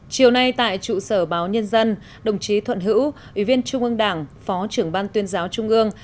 chiều nay tại trụ sở báo nhân dân đồng chí thuận hữu ủy viên trung ương đảng phó trưởng ban tuyên giáo trung ương